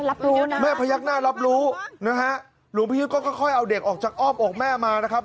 รับรู้นะแม่พยักหน้ารับรู้นะฮะหลวงพี่ยุทธ์ก็ค่อยค่อยเอาเด็กออกจากอ้อมอกแม่มานะครับ